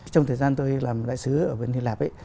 trong thời gian tôi làm đại sứ ở bên hy lạp ấy